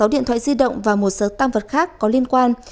sáu điện thoại di động và một số tam vật khác có liên quan